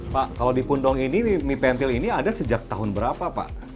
pak kalau di pundong ini mie pentil ini ada sejak tahun berapa pak